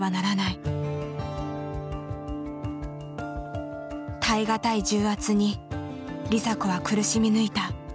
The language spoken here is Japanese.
耐え難い重圧に梨紗子は苦しみ抜いた。